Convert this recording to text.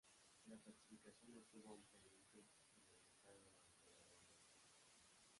La falsificación estuvo ampliamente generalizada durante la Edad Media.